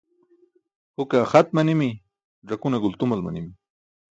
Huke axat manimi, ẓakune gultumal manimi.